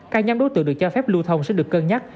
các nhóm đối tượng được cho phép lưu thông sẽ được cân nhắc